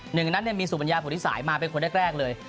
หนึ่งหน้านั้นเนี่ยมีสุบัญญาผลิติศัยมาเป็นคนแรกเลย